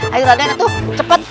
ayo raden atuh cepat